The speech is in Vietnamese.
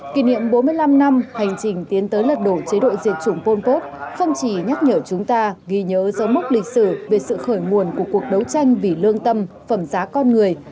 kỷ niệm bốn mươi năm năm hành trình tiến tới lật đổ chế độ diệt chủng pol pot không chỉ nhắc nhở chúng ta ghi nhớ dấu mốc lịch sử về sự khởi nguồn của cuộc đấu tranh vì lương tâm phẩm giá con người